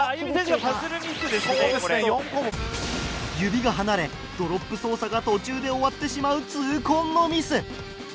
指が離れドロップ操作が途中で終わってしまう痛恨のミス。